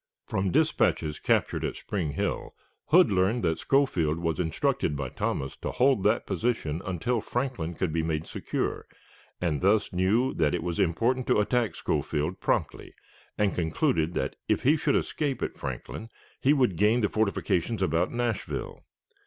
From dispatches captured at Spring Hill, Hood learned that Schofield was instructed by Thomas to hold that position until Franklin could be made secure, and thus knew that it was important to attack Schofield promptly, and concluded that, if he should escape at Franklin, he would gain the fortifications about Nashville.